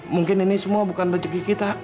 mungkin ini semua bukan rezeki kita